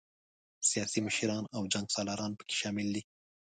سیاسي مشران او جنګ سالاران پکې شامل دي.